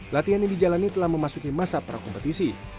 latihan yang dijalani telah memasuki masa para kompetisi